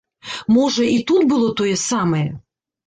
Можа, і тут было тое самае.